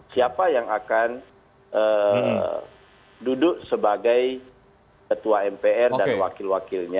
siapa yang akan duduk sebagai ketua mpr dan wakil wakilnya